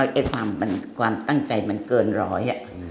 แต่ว่าความตั้งใจมันเกินร้อย